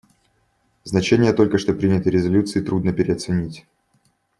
Значение только что принятой резолюции трудно переоценить.